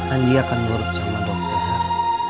andi akan nurut sama dokter